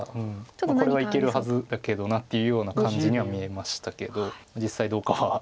これはいけるはずだけどなっていうような感じには見えましたけど実際どうかは分からない。